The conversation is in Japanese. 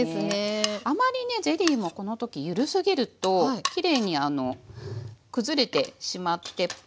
あまりねゼリーもこの時緩すぎるときれいにくずれてしまってフルーツポンチの中で。